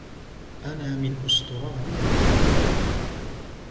أنا من أُستراليا.